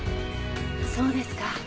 そうですか。